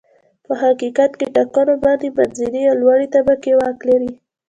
په حقیقت کې ټاکنو باندې منځنۍ او لوړې طبقې واک لري.